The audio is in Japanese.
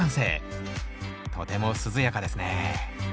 とても涼やかですね。